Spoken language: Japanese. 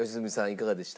いかがでした？